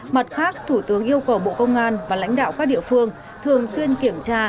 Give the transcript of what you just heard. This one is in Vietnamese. mặt khác thủ tướng yêu cầu bộ công an và lãnh đạo các địa phương thường xuyên kiểm tra